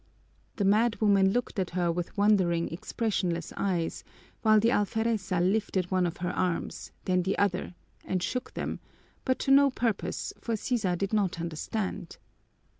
The madwoman looked at her with wandering, expressionless eyes, while the alfereza lifted one of her arms, then the other, and shook them, but to no purpose, for Sisa did not understand.